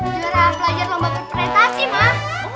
juara pelajar lomba perpretasi mak